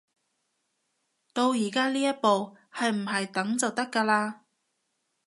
到而家呢一步，係唔係等就得㗎喇